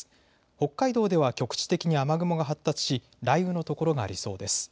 北海道では局地的に雨雲が発達し雷雨の所がありそうです。